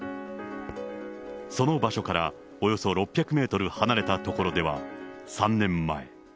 その場所からおよそ６００メートル離れた所では、３年前。